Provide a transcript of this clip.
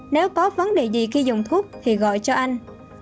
nếu có vấn đề gì khi dùng thuốc thì gọi cho anh